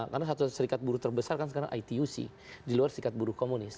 karena satu satunya serikat buruh terbesar kan sekarang ituc di luar serikat buruh komunis